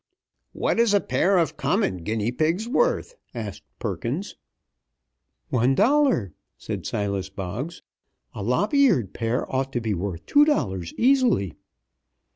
"What is a pair of common guinea pigs worth?" asked Perkins. "One dollar," said Silas Boggs. "A lop eared pair ought to be worth two dollars, easily."